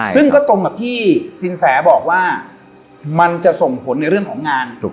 ซึ่งก็ตรงกับที่สินแสบอกว่ามันจะส่งผลในเรื่องของงาน